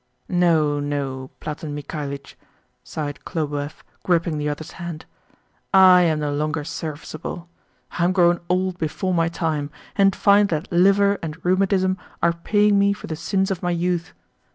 "No, no, Platon Mikhalitch," sighed Khlobuev, gripping the other's hand. "I am no longer serviceable I am grown old before my time, and find that liver and rheumatism are paying me for the sins of my youth.